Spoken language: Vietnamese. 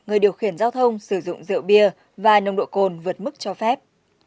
người điều khiển giao thông sử dụng rượu bia và nồng độ cồn vượt mức cho phép